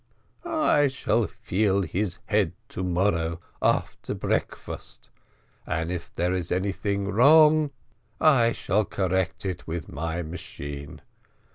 "I shall feel his head to morrow after breakfast, and if there is anything wrong I shall correct it with my machine.